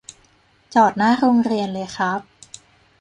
จอดหน้าโรงเรียนเลยครับ